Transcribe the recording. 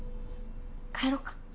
帰ろうか。